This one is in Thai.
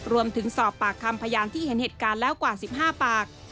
รวมถึงสอบปากคำพยานที่เห็นเหตุการณ์แล้วกว่า๑๕ปาก